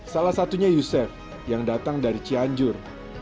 salah satunya yusef yang datang dari cianjur